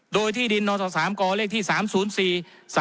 โดยที่ดินนส๓กเลขที่๓๐๔๓